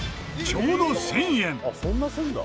ちょうど１０００円。